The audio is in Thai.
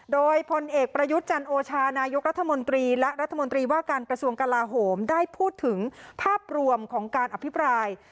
โดยพลเอกประยุทธ์จันโอชานายกรัฐมนตรีและรัฐมนตรีว่าการกระทรวงกลาโหมได้พูดถึงภาพรวมของการอภิปราย